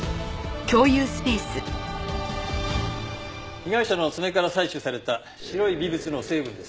被害者の爪から採取された白い微物の成分です。